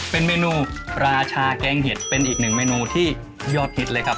เป็นเมนูราชาแกงเห็ดเป็นอีกหนึ่งเมนูที่ยอดฮิตเลยครับ